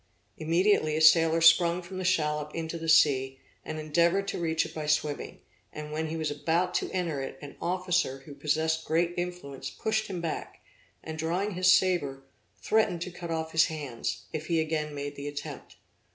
Immediately a sailor sprung from the shallop into the sea, and endeavored to reach it by swimming; and when he was about to enter it, an officer who possessed great influence pushed him back, and, drawing his sabre, threatened to cut off his hands, if he again made the attempt.